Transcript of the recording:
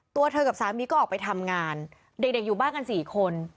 ตัวเธอกับสามีก็ออกไปทำงานเด็กอยู่บ้านกัน๔คน